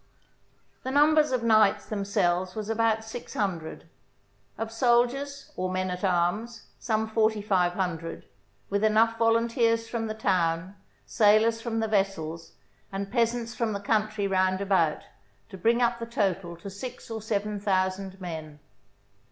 The number of knights themselves was about six hundred; of soldiers, or men at arms, some forty five hundred, with enough volunteers from the town, sailors from the vessels, and peasants from the country round about, to bring up the total to six or seven thousand men.